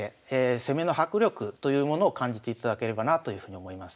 攻めの迫力というものを感じていただければなというふうに思います。